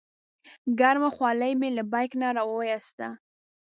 ګرمه خولۍ مې له بیک نه راوویسته.